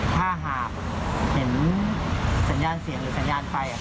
ถ้าหากเห็นสัญญาณเสียงหรือสัญญาณไฟ